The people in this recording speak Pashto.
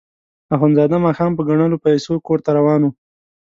اخندزاده ماښام په ګڼلو پیسو کور ته روان وو.